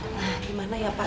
nah gimana ya pak